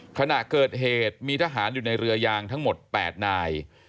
ขณะเกิดเหตุมีทหารอยู่ในเรือยางทั้งหมด๘นาย